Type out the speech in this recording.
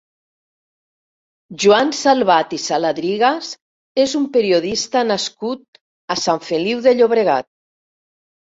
Joan Salvat i Saladrigas és un periodista nascut a Sant Feliu de Llobregat.